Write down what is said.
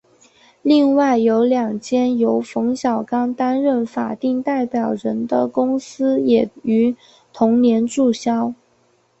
另外有两间由冯小刚担任法定代表人的公司也于同年注销。